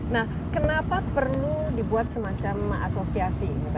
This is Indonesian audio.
nah kenapa perlu dibuat semacam asosiasi